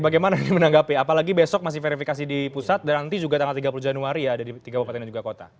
bagaimana ini menanggapi apalagi besok masih verifikasi di pusat dan nanti juga tanggal tiga puluh januari ya ada di tiga kabupaten dan juga kota